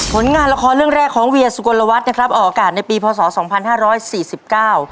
ผลงานละครเรื่องแรกของเวียสุกลวัฒน์นะครับออกอากาศในปีพศสองพันห้าร้อยสี่สิบเก้า